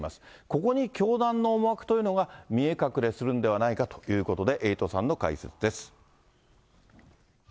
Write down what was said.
ここに教団の思惑というのが見え隠れするんではないかということで、エイトさんの解説です。